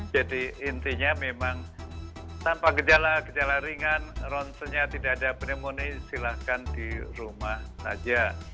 jadi intinya memang tanpa gejala gejala ringan ronsenya tidak ada pneumonia silahkan di rumah saja